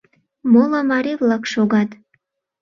Моло марий-влак шогат.